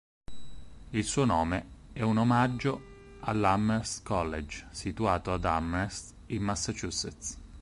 Il suo nome è un omaggio all"'Amherst College", situato ad Amherst, in Massachusetts.